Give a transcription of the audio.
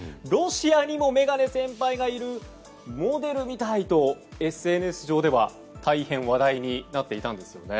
ロシアにもメガネ先輩がいるモデルみたい！とＳＮＳ上では大変話題になっていたんです。